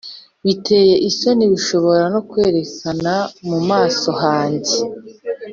biteye isoni, sinshobora no kwerekana mu maso hanjye